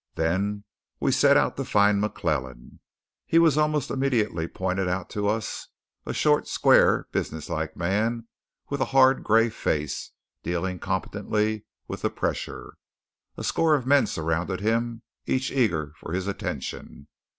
Then we set out to find McClellan. He was almost immediately pointed out to us, a short, square, businesslike man, with a hard gray face, dealing competently with the pressure. A score of men surrounded him, each eager for his attention.